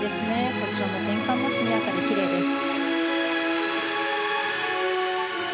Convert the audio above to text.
ポジションの転換も速やかでキレイです。